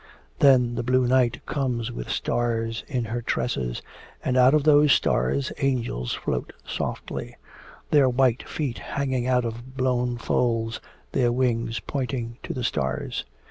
Then the blue night comes with stars in her tresses, and out of those stars angels float softly; their white feet hanging out of blown folds, their wings pointing to the stars.